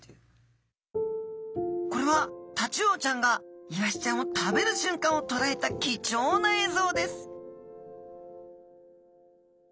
これはタチウオちゃんがイワシちゃんを食べるしゅんかんをとらえた貴重な映像です